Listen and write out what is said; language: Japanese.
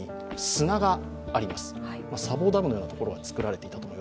砂防ダムのようなところが造られています。